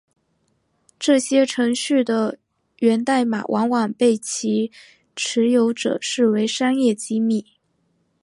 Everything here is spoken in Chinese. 这些程序的源代码往往被其持有者视为商业机密。